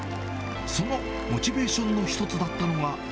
そのモチベーションの一つだったのが。